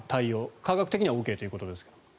科学的にはＯＫということですが。